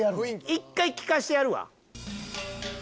一回聴かせてやるわ。